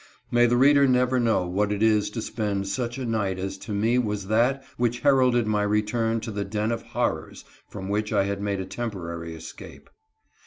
May the reader never know what it is to spend such a night as to me was that which heralded my return to the den of horrors from which I had made a temporary escape.